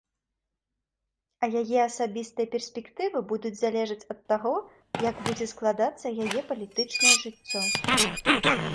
А яе асабістыя перспектывы будуць залежаць ад таго, як будзе складацца яе палітычнае жыццё.